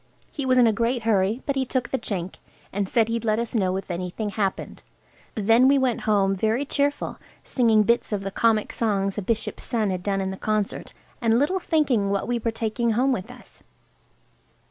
He was in a great hurry, but he took the chink and said he'd let us know if anything happened. Then we went home very cheerful, singing bits of the comic songs a bishop's son had done in the concert, and little thinking what we were taking home with us.